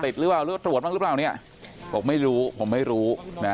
ติดหรือว่าตรวจบ้างหรือเปล่าเนี่ยบอกไม่รู้ผมไม่รู้